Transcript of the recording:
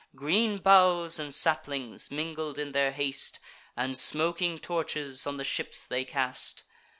Green boughs and saplings, mingled in their haste, And smoking torches, on the ships they cast.